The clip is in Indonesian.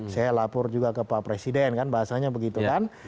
saya lapor juga ke pak presiden kan bahasanya begitu kan